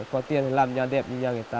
có tiền thì làm nhà đẹp như nhà người ta